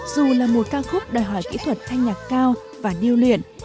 dù là một ca khúc đòi hỏi kỹ thuật thanh nhạc cao và điêu luyện